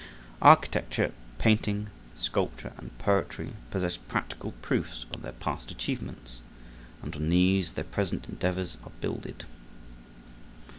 Architecture, painting, sculpture and poetry possess practical proofs of their past achievements and on these their present endeavors are builded.